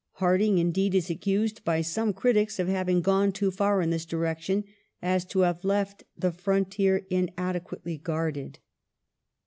Hardinge, indeed, is accused by some critics of having gone so far in this direction as to have left the frontier inade quately guarded.